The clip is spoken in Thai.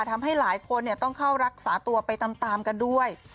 ทำให้หลายคนต้องเข้ารักษาตัวไปตามกันด้วย